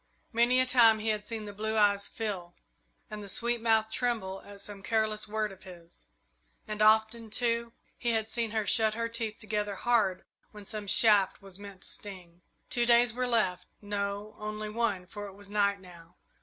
Many a time he had seen the blue eyes fill and the sweet mouth tremble at some careless word of his, and often, too, he had seen her shut her teeth together hard when some shaft was meant to sting. Two days were left no, only one for it was night now.